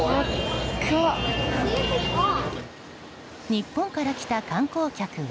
日本から来た観光客は。